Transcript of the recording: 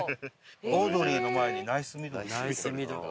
オードリーの前にナイスミドル。